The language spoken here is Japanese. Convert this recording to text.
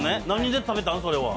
何で食べたん？